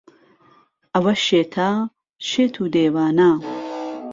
ئهوه شێته شێت و دێوانه